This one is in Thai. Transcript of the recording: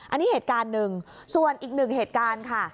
อันนี้เหตุการณ์หนึ่งส่วนอีกหนึ่งเหตุการณ์ค่ะ